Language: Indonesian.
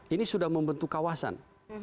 ini sudah membentuk kawasan